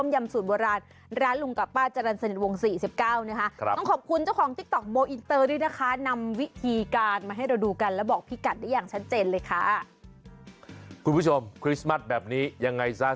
ยู่ไปด้วยเลยคุณชิสา